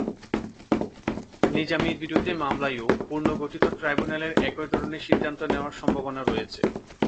নিজামীর বিরুদ্ধে মামলায়ও পুনর্গঠিত ট্রাইব্যুনালের একই ধরনের সিদ্ধান্ত নেওয়ার সম্ভাবনা রয়েছে।